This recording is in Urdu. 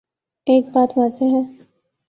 ایک بات واضح ہے۔